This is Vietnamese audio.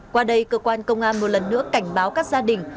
qua đây cơ quan công an một lần nữa cảnh báo các gia đình